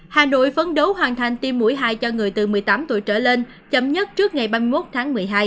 hà nội phấn đấu hoàn thành tiêm mũi hai cho người từ một mươi tám tuổi trở lên chấm dứt trước ngày ba mươi một tháng một mươi hai